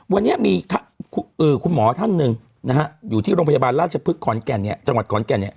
วันนี้มีคุณหมอท่านหนึ่งอยู่ที่โรงพยาบาลราชภึกจังหวัดขอนแก่น